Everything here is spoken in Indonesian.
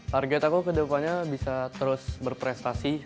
target aku ke depannya bisa terus berprestasi